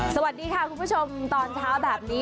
สวัสดีค่ะคุณผู้ชมตอนเช้าแบบนี้